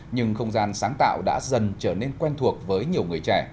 nhưng không gian sáng tạo đã dần trở nên quen thuộc với nhiều người trẻ